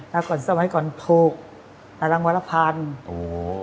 แล้วก่อนสมัยก่อนถูกแต่ละงวัลละพันธุ์